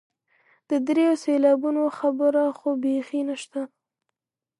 د دریو سېلابونو خبره خو بیخي نشته.